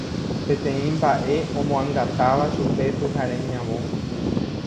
peteĩ mba'e omoangatáva chupe pyhare ñavõ